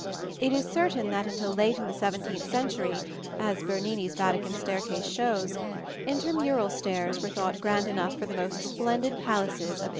It is certain that until late in the seventeenth century (as Bernini's Vatican staircase shows) inter mural stairs were thought grand enough for the most splendid palaces of Italy (see Plate XXX).